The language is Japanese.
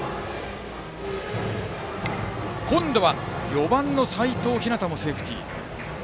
４番の齋藤陽もセーフティー。